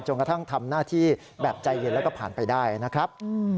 กระทั่งทำหน้าที่แบบใจเย็นแล้วก็ผ่านไปได้นะครับ